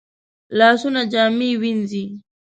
لاسونه جامې وینځي